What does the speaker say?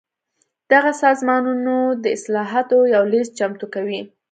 دغه سازمانونه د اصلاحاتو یو لېست چمتو کوي.